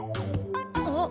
あっ。